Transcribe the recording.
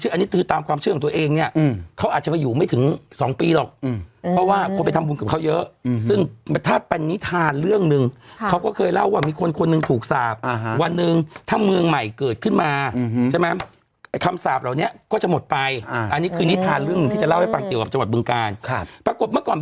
เยอะฉันอ่ะพูดแบบบอกไม่อายปากอ่ะนะอืมก็ได้อะไรจะปลูกอื่น